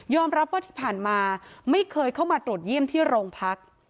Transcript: รับว่าที่ผ่านมาไม่เคยเข้ามาตรวจเยี่ยมที่โรงพัก